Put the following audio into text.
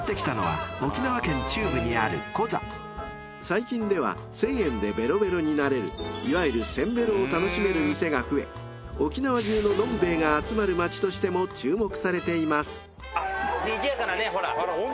［最近では１，０００円でべろべろになれるいわゆるせんべろを楽しめる店が増え沖縄中ののんべえが集まる街としても注目されています］